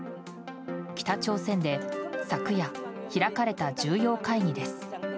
北朝鮮で昨夜開かれた重要会議です。